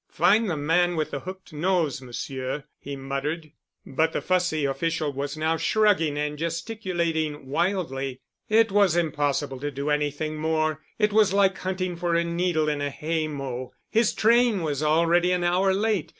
"Find the man with the hooked nose, Monsieur," he muttered. But the fussy official was now shrugging and gesticulating wildly. It was impossible to do anything more. It was like hunting for a needle in a hay mow. His train was already an hour late.